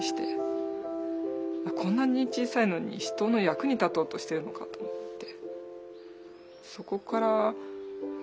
こんなに小さいのに人の役に立とうとしてるのかと思って。